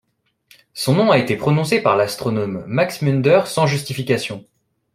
Son nom a été proposé par l'astronome Max Mündler, sans justifications.